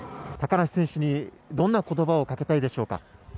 高梨選手にどんなことばをかけたいでしょうか。